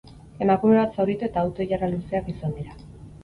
Emakume bat zauritu eta auto-ilara luzeak izan dira.